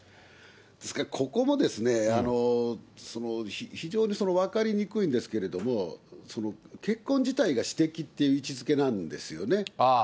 ですから、ここもですね、非常に分かりにくいんですけれども、結婚自体が私的という位置づけなんですよね。